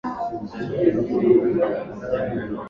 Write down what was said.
unatakiwa kuwa na mpango wa biashara kwa muda mrefu